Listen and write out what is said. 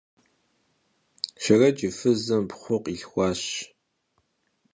Şşerec yi fızım pxhu khilhxuaş.